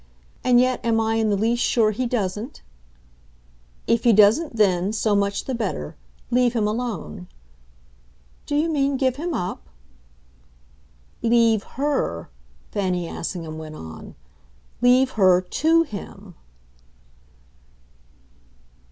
And yet am I in the least sure he doesn't?" "If he doesn't then, so much the better. Leave him alone." "Do you mean give him up?" "Leave HER," Fanny Assingham went on. "Leave her TO him."